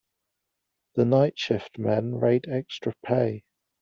The night shift men rate extra pay.